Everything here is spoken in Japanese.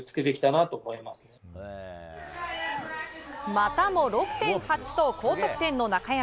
またも６．８と高得点の中山。